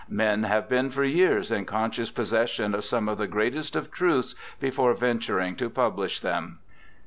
Men have been for years in conscious posses sion of some of the greatest of truths before venturing to publish them.